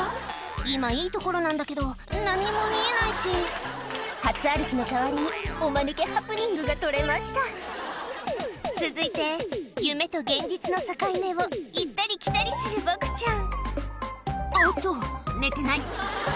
今いいところなんだけど何にも見えないし初歩きの代わりにおマヌケハプニングが撮れました続いて夢と現実の境目を行ったり来たりするボクちゃん「おっと寝てない」